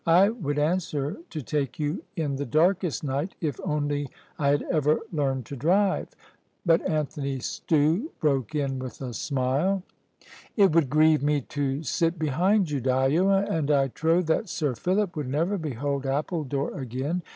I would answer to take you in the darkest night, if only I had ever learned to drive," But Anthony Stew broke in with a smile, "It would grieve me to sit behind you, Dyo, and I trow that Sir Philip would never behold Appledore again.